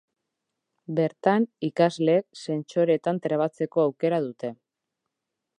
Bertan, ikasleek sentsoreetan trebatzeko aukera dute.